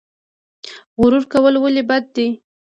غرور کول ولې بد دي؟